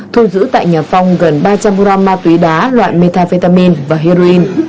thu giữ tại nhà phong gần ba trăm linh g ma túy đá loại methamphetamine và heroin